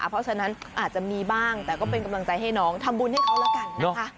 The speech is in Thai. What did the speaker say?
เพราะฉะนั้นอาจจะมีบ้างแต่ก็เป็นกำลังใจให้น้องทำบุญให้เขาแล้วกันนะคะ